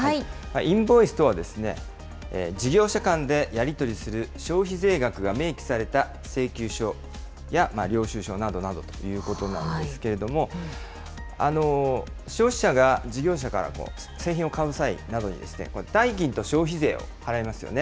インボイスとはですね、事業者間でやり取りする消費税額が明記された請求書や領収書などなどということなんですけれども、消費者が事業者から製品を買う際などに、代金と消費税を払いますよね。